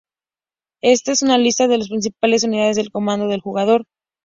Esta es una lista de las principales unidades del comando del jugador.